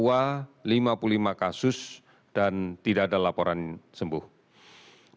kemudian jawa timur kita dapatkan laporan kasus baru dua ratus lima puluh delapan orang dan sembuh enam puluh orang